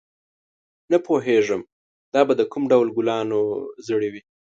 نه پوهېږم دا به د کوم ډول ګلانو زړي وي.